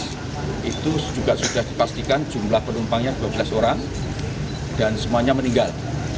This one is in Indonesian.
itu juga sudah dipastikan jumlah penumpangnya dua belas orang dan semuanya meninggal